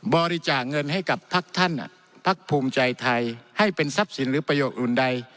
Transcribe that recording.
บริจาคเงินให้กับพักท่านพักภูมิใจไทยให้เป็นทรัพย์สินหรือประโยชน์อื่นใด